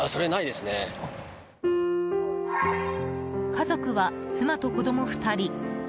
家族は妻と子供２人。